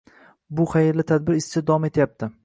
Bu xayrli tadbir izchil davom etyapti